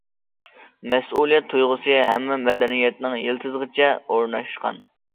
مەسئۇلىيەت تۇيغۇسى ھەممە مەدەنىيەتنىڭ يىلتىزىغىچە ئورناشقان.